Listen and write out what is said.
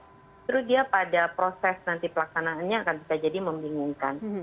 justru dia pada proses nanti pelaksanaannya akan bisa jadi membingungkan